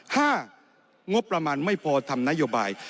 ห้างบประมาณไม่พอทำนโยบาย